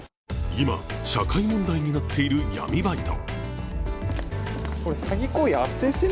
今、社会問題になっている闇バイト。